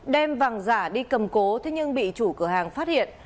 đem vàng giả đi cầm cố thế nhưng bị chủ cửa hàng phát hiện